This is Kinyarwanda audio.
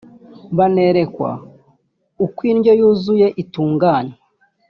banerekwa uko indyo yuzuye itunganwa